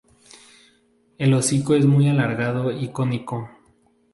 El hocico es muy alargado y cónico.